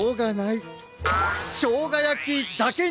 しょうがやきだけに！